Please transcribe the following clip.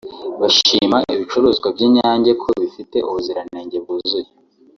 bashima ibicuruzwa by’Inyange ko bifite ubuziranenge bwuzuye